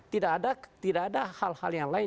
tidak ada hal hal yang lain